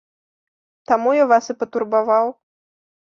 Таму я вас і патурбаваў.